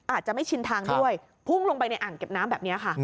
อาจจะไม่ชินทางด้วยพุ่งลงไปในอ่างเก็บน้ำแบบนี้ค่ะ